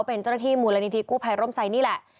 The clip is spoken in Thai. เป็นเจ้าหน้าที่มูลนิธิกู้ภัยร่มไซดนี่แหละ